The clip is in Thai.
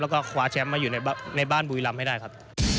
แล้วก็คว้าแชมป์มาอยู่ในบ้านบุรีรำให้ได้ครับ